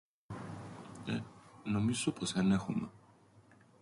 Εε.. νομίζω πως εν έχουμεν...